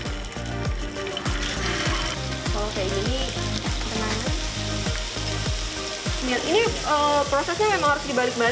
ini prosesnya memang harus dibalik balik atau bisa ditinggal